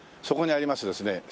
そこにありますですね